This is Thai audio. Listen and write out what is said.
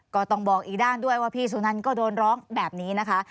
ก็ต้องบอกอีกด้านด้วยว่าพี่สุนันก็โดนร้องแบบนี้นะคะ